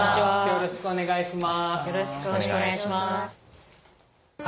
よろしくお願いします。